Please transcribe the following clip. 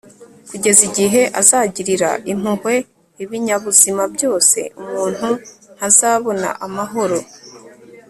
kugeza igihe azagirira impuhwe ibinyabuzima byose, umuntu ntazabona amahoro